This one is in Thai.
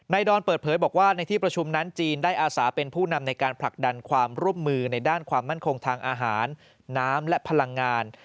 ดอนเปิดเผยบอกว่าในที่ประชุมนั้นจีนได้อาสาเป็นผู้นำในการผลักดันความร่วมมือในด้านความมั่นคงทางอาหารน้ำและพลังงาน